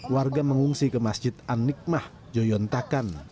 warga mengungsi ke masjid anikmah joyon takan